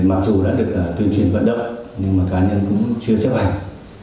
mặc dù đã được tuyên truyền vận động nhưng mà cá nhân cũng chưa chấp hành